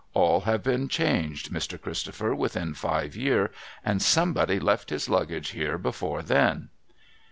All have been changed, Mr. Christopher, within five year, and Somebody left his Luggage here before then.'